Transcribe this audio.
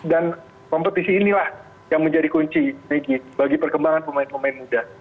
dan kompetisi inilah yang menjadi kunci bagi perkembangan pemain pemain muda